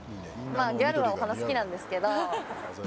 ギャルはお花好きなんですけど。